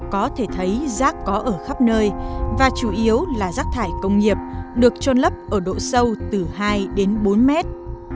có thể thấy rác có ở khắp nơi và chủ yếu là rác thải công nghiệp được trôn lấp ở độ sâu từ hai đến bốn mét